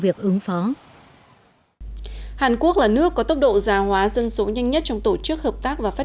việc ứng phó hàn quốc là nước có tốc độ già hóa dân số nhanh nhất trong tổ chức hợp tác và phát